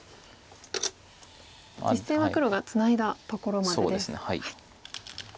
実戦は黒がツナいだところまでです。